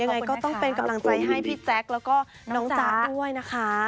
ยังไงก็ต้องเป็นกำลังใจให้พี่แจ๊คแล้วก็น้องจ๊ะด้วยนะคะ